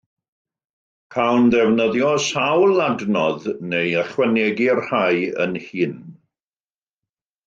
Cawn ddefnyddio sawl adnodd neu ychwanegu rhai ein hun